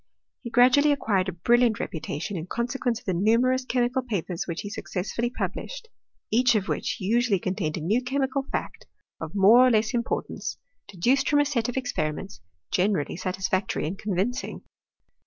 He gradually acquired a brilliant reputation in consequence of the numerous chemical papers which he successively published, each of which usually contained a new chemical fact, of more or less im portance, deduced from a set of experiments generally satisfactory and convincing.